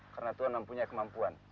karena tuhan mempunyai kemampuan